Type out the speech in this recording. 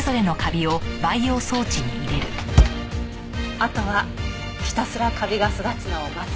あとはひたすらカビが育つのを待つ。